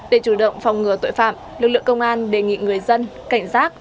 để chủ động phòng ngừa tội phạm lực lượng công an đề nghị người dân cảnh giác